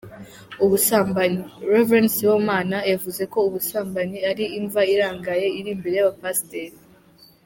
Ubusambanyi: Rev Sibomana yavuze ko ubusambanyi ari imva irangaye iri imbere y’abapasiteri.